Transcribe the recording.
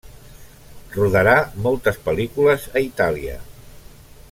Rodarà moltes pel·lícules a Itàlia.